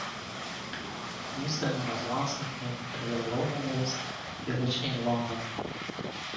Neasden was once nicknamed 'the loneliest village in London'.